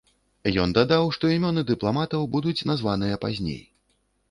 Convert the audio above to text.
Ён дадаў, што імёны дыпламатаў будуць названыя пазней.